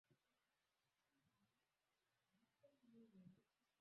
Lakini kutokana na kuoana kwao na wenyeji wageni hawa wakaichukua lugha ya hapo walipofikia